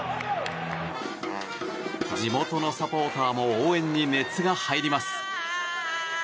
地元のサポーターも応援に熱が入ります。